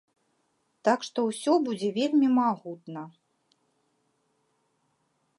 Так што, усё будзе вельмі магутна.